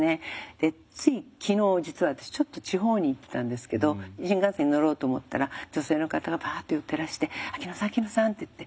でつい昨日実は私ちょっと地方に行ってたんですけど新幹線に乗ろうと思ったら女性の方がバッて寄ってらして「秋野さん秋野さん」って言って。